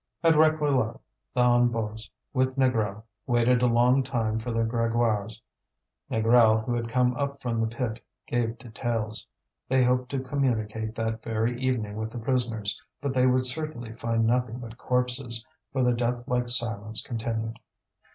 At Réquillart the Hennebeaus, with Négrel, waited a long time for the Grégoires. Négrel, who had come up from the pit, gave details. They hoped to communicate that very evening with the prisoners, but they would certainly find nothing but corpses, for the death like silence continued.